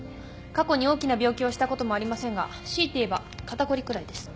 過去に大きな病気をしたこともありませんが強いて言えば肩凝りくらいです。